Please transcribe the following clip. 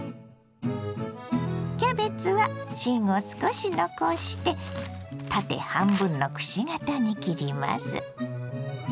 キャベツは芯を少し残して縦半分のくし形に切ります。